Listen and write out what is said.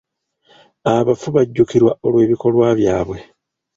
Abafu bajjukirwa olw'ebikolwa byabwe.